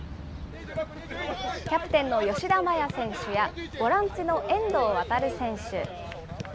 キャプテンの吉田麻也選手や、ボランチの遠藤航選手。